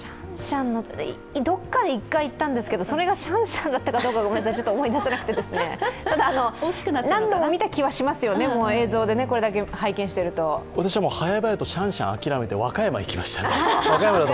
どこかで１回行ったんですけど、それがシャンシャンだったか、思い出せなくて、ただ、何度も見た気はしますよね、映像で私は早々とシャンシャンを諦めて、若山の行きましたね。